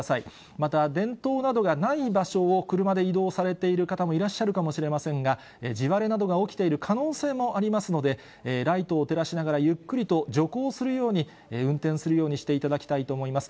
また電灯などがない場所を車で移動されている方もいらっしゃるかもしれませんが、地割れなどが起きている可能性もありますので、ライトを照らしながらゆっくりと徐行するように運転するようにしていただきたいと思います。